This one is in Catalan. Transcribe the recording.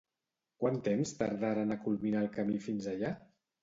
Quant temps tardaren a culminar el camí fins allà?